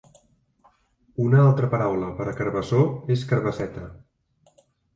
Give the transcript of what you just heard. Una altra paraula per a carbassó és carbasseta